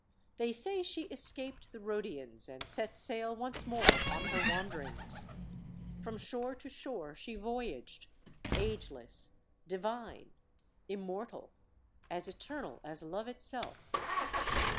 They say she escaped the Rhodians and set sail once more upon her wanderings. From shore to shore she voyaged, ageless, divine, immortal, as eternal as Love itself.